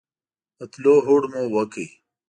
د تلو هوډ مو وکړ.